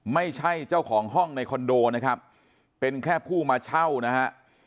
ไม่ใช่เจ้าของห้องในคอนโดนะครับเป็นแค่ผู้มาเช่านะฮะ